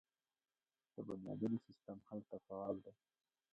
د بنیادونو سیستم هلته فعال دی.